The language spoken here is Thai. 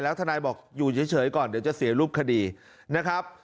ทนายบอกอยู่เฉยก่อนเดี๋ยวจะเสียรูปคดีนะครับ